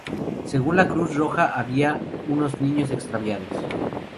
Según la Cruz Roja había unos niños extraviados.